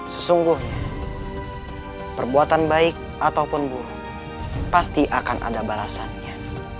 sesungguhnya perbuatan baik ataupun buruk pasti akan ada balasannya